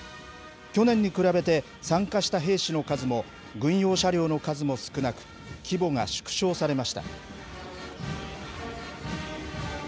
去年に比べて参加した兵士の数も、軍用車両の数も少なく、規模が縮小されました。